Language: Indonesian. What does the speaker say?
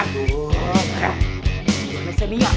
terima kasih ya